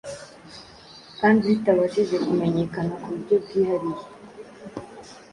kandi zitabashije kumenyekana ku buryo bwihariye.